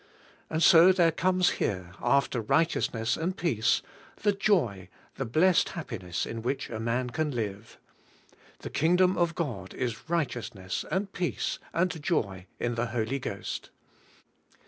And so there comes here, after righteousness and peace, the joy, the blessed happiness in which a man can live: "The 131 132 JO Y IN THE HOL Y GHOST Kingdom of God is righteousness and peace, and joy in the Holy Ghost."